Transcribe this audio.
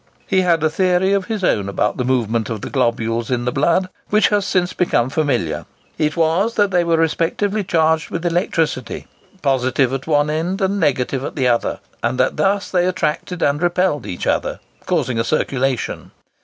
He had a theory of his own about the movement of the globules in the blood, which has since become familiar. It was, that they were respectively charged with electricity, positive at one end and negative at the other, and that thus they attracted and repelled each other, causing a circulation.